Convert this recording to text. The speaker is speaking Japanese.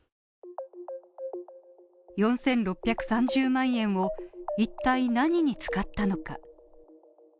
４６３０万円を一体何に使ったのか。